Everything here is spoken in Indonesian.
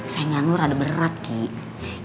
sayangan lo rada berat kiki